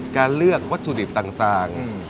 การเลือกวัตถุดิบต่าง